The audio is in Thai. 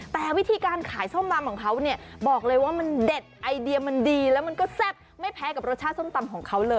แต่วิธีการขายส้มตำของเขาเนี่ยบอกเลยว่ามันเด็ดไอเดียมันดีแล้วมันก็แซ่บไม่แพ้กับรสชาติส้มตำของเขาเลย